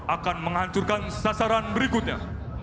akan menghancurkan sasaran berikutnya